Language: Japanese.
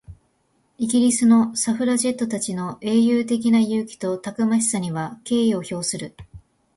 イギリスのサフラジェットたちの英雄的な勇気とたくましさには敬意を表する。